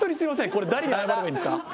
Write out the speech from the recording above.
これ誰に謝ればいいんですか？